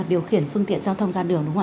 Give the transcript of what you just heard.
điều khiển phương tiện giao thông ra đường